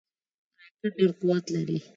راکټ ډیر قوت لري